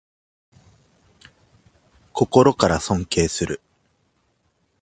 心から尊敬する